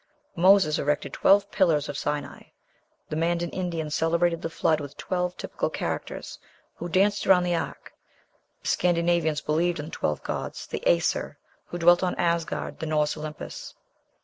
Moses erected twelve pillars at Sinai. The Mandan Indians celebrated the Flood with twelve typical characters, who danced around the ark. The Scandinavians believed in the twelve gods, the Aesir, who dwelt on Asgard, the Norse Olympus.